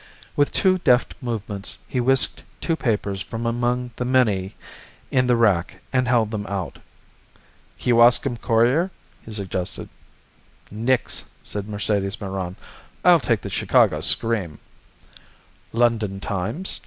With two deft movements he whisked two papers from among the many in the rack, and held them out. "Kewaskum Courier?" he suggested. "Nix," said Mercedes Meron, "I'll take a Chicago Scream." "London Times?"